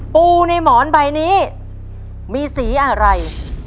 ปูในหมอนใบนี้มีสีอะไร